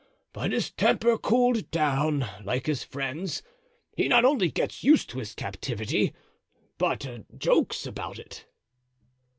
But his temper cooled down, like his friend's; he not only gets used to his captivity, but jokes about it."